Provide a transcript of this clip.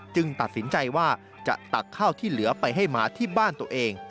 ตัดสินใจว่าจะตักข้าวที่เหลือไปให้หมาที่บ้านตัวเอง